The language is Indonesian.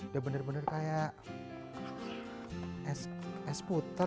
ya bener bener kayak es putar